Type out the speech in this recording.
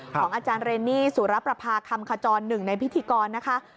ของอาจารย์เรนนี่สุรประพาคำขจรหนึ่งในพิธีกรนะคะ